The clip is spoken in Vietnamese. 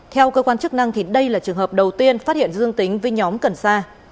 theo cơ quan chức năng đây là trường hợp đầu tiên phát hiện dương tính với nhóm cần sa